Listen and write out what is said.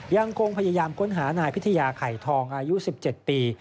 ยังคงพยายามค้นหานายพิทยาไข่ทองอายุ๑๗ปี